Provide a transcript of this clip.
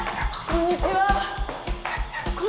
こんにちは。